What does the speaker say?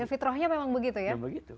fitrahnya memang begitu ya